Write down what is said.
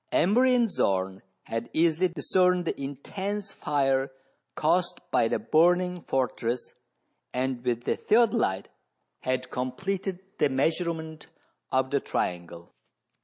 Emery and Zorn had easily discerned the intense fire caused by the burning fortress, and with the theodoHte had com pleted the measurement of the triangle.